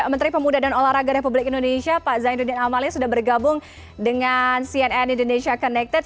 menteri pemuda dan olahraga republik indonesia pak zainuddin amali sudah bergabung dengan cnn indonesia connected